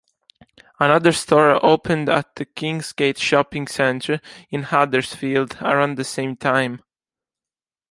Another store opened at Kingsgate Shopping Centre in Huddersfield around the same time.